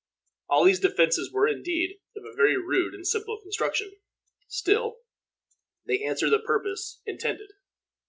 All these defenses were indeed of a very rude and simple construction; still, they answered the purpose intended.